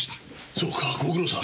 そうかご苦労さん。